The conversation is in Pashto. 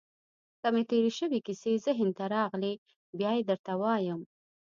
که مې تېرې شوې کیسې ذهن ته راغلې، بیا يې درته وایم.